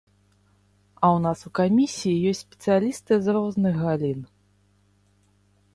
А ў нас у камісіі ёсць спецыялісты з розных галін.